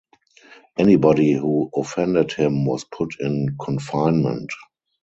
Anybody who offended him was put in confinement.